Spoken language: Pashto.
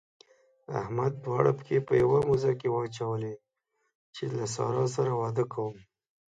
احمد دواړه پښې په يوه موزه کې واچولې چې له سارا سره واده کوم.